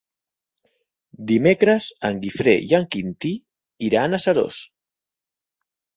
Dimecres en Guifré i en Quintí iran a Seròs.